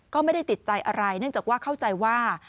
ก็ไม่ได้ติดใจอะไรเนื่องจากว่าเข้าใจว่า